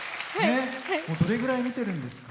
どれぐらい見てるんですか？